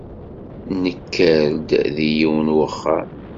Nekker-d deg yiwen uxxam